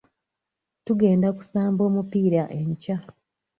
Tugenda okusamba omupiira enkya.